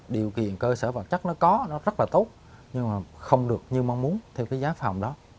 điều kiện cơ sở vật chất nó có nó rất là tốt nhưng mà không được như mong muốn theo cái giá phòng đó